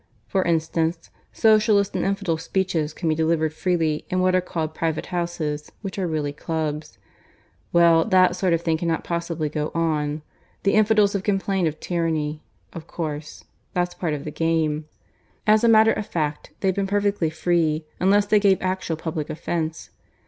For instance, Socialist and infidel speeches can be delivered freely in what are called private houses, which are really clubs. Well, that sort of thing cannot possibly go on. The infidels have complained of tyranny, of course that's part of the game. As a matter of fact they've been perfectly free, unless they gave actually public offence.